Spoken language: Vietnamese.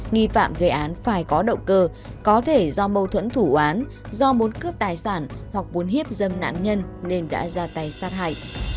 nghi phạm gây án phải có động cơ có thể do mâu thuẫn thủ án do muốn cướp tài sản hoặc muốn hiếp dâm nạn nhân nên đã ra tay sát hại